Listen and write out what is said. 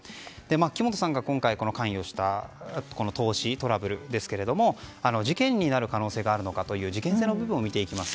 木本さんが今回関与した投資トラブルですが事件になる可能性があるのか事件性の部分を見ていきます。